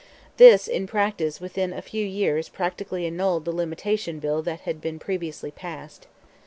This in practice, within a few years, practically annulled the Limitation Bill that had been previously passed.